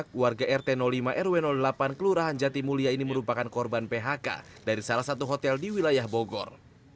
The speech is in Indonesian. pihak warga rt lima rw delapan kelurahan jatimulia ini merupakan korban phk dari salah satu hotel di wilayah bogor